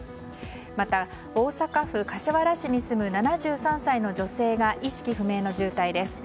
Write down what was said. また、大阪府柏原市に住む７３歳の女性が意識不明の重体です。